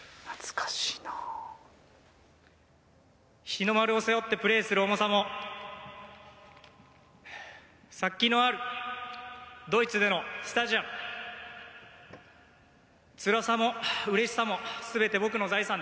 日の丸を背負ってプレーする重さも殺気のあるドイツでのスタジアムつらさも嬉しさも全て僕の財産です。